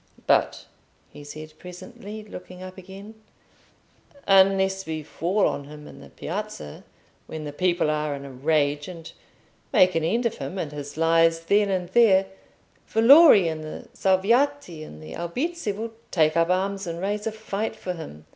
"But," he said presently, looking up again, "unless we fall on him in the Piazza, when the people are in a rage, and make an end of him and his lies then and there, Valori and the Salviati and the Albizzi will take up arms and raise a fight for him.